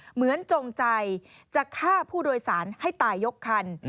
เหมือนจงใจจะฆ่าผู้โดยสารให้ตายยกครรภ์